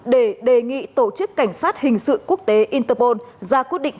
để đề nghị tổ chức cảnh sát hình sự quốc tế interpol ra quyết định